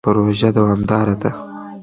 پروژه دوامداره ده.